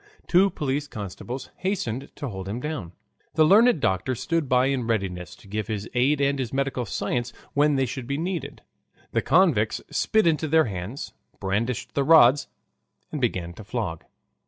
Two police constables hastened to hold him down. The learned doctor stood by, in readiness to give his aid and his medical science when they should be needed. The convicts spit into their hands, brandished the rods, and began to flog.